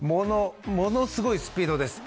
ものすごいスピードです。